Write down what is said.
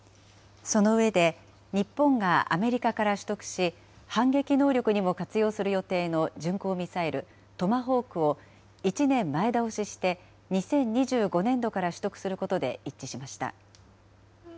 その上で、日本がアメリカから取得し、反撃能力にも活用する予定の巡航ミサイル、トマホークを１年前倒しして、２０２５年度から取得することで一致しました。